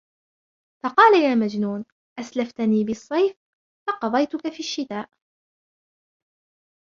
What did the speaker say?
فقال يا مجنون أسلفتني بالصيف فقظيتك في الشتاء